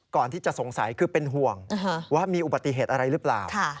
ก่อนที่จะสงสัยคือเป็นห่วงว่ามีอุบัติเหตุอะไรหรือเปล่า